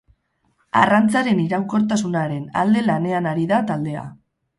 Arrantzaren iraunkortasunaren alde lanean ari da taldea.